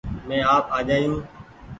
مينٚ آپ آجآيو